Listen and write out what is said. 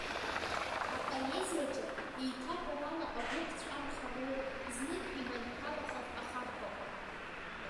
Апоезиаҿы еиҭаҳәарала агәы ԥҵәамхароуп знык иманшәалахаз ахархәага.